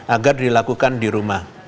agar dilakukan di rumah